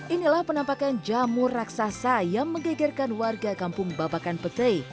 inilah penampakan jamur raksasa yang menggegerkan warga kampung babakan pete